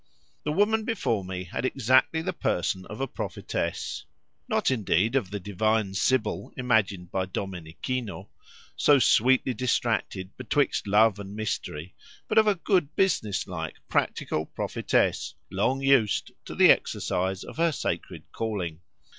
The woman before me had exactly the person of a prophetess—not, indeed, of the divine sibyl imagined by Domenichino, so sweetly distracted betwixt love and mystery, but of a good business like, practical prophetess, long used to the exercise of her sacred calling.